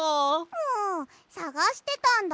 もうさがしてたんだよ。